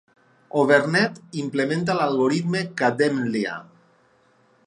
Overnet implementa l'algoritme Kademlia.